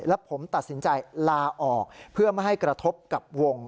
และผมตัดสินใจลาออกเพื่อไม่ให้กระทบกับวง